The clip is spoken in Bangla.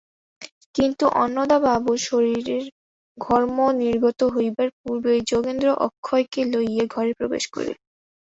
কিন্তু অন্নদাবাবুর শরীরে ঘর্ম নির্গত হইবার পূর্বেই যোগেন্দ্র অক্ষয়কে লইয়া ঘরে প্রবেশ করিল।